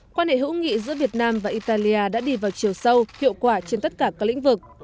quan hệ hữu nghị giữa việt nam và italia đã đi vào chiều sâu hiệu quả trên tất cả các lĩnh vực